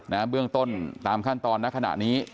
เบื้องต้นตามขั้นตอนณขณะนี้